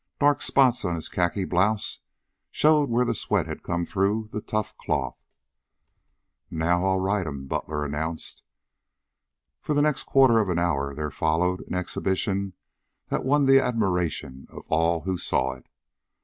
Dark spots on his khaki blouse showed where the sweat had come through the tough cloth. "Now I'll ride him," Butler announced. For the next quarter of an hour there followed an exhibition that won the admiration of all who saw it.